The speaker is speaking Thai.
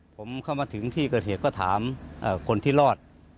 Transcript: ผมเข้ามาถึงที่เกิดเหตุก็ถามคนที่รอด